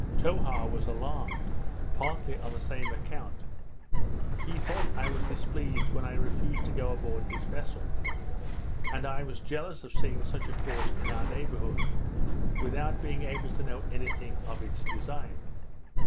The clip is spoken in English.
Towha was alarmed, partly on the same account. He thought I was displeased when I refused to go aboard his vessel; and I was jealous of seeing such a force in our neighbourhood without being able to know any thing of its design.